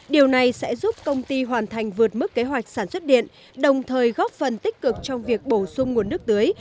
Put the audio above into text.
điều này sẽ giúp công ty hoàn thành vượt mức kế hoạch sản xuất điện đồng thời góp phần tích cực trong việc bổ sung nguồn nước tưới